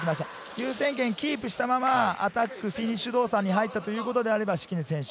優先権をキープしたままアタック、フィニッシュ動作に入ったということであれば敷根選手。